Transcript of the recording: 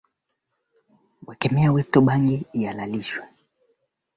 mshindi mmoja wa Tuzo ya Lenin Pia kuna